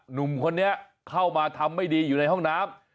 หนุ่มคนนี้เข้ามาทำไม่ดีอยู่ในห้องน้ำ